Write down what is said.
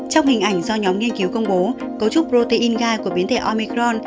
trong hình ảnh do nhóm nghiên cứu công bố cấu trúc protein gai của biến thể omicron